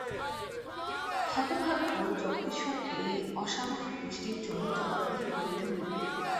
হতভাগ্য যজ্ঞেশ্বরকে এই অসাময়িক বৃষ্টির জন্য জবাবদিহি করিতে হইবে।